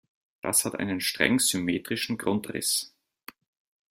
Das hat einen streng symmetrischen Grundriss.